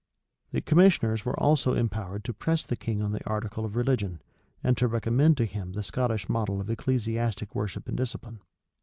The commissioners were also empowered to press the king on the article of religion, and to recommend to him the Scottish model of ecclesiastic worship and discipline.